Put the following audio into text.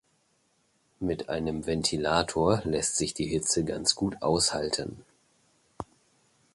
Mit einem Ventilator lässt sich die Hitze ganz gut aushalten.